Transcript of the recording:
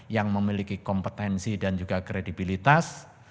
yang memiliki kompetensi dan juga kredibilitas